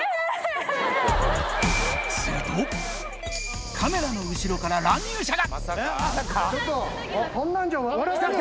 すると、カメラの後ろから乱入者が。